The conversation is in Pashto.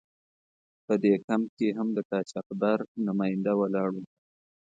په دې کمپ کې هم د قاچاقبر نماینده ولاړ و.